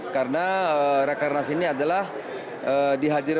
karena rekenas ini adalah dihadirkan